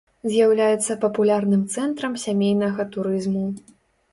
З'яўляецца папулярным цэнтрам сямейнага турызму.